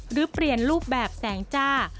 หรือเปลี่ยนรูปแบบแสงจ้า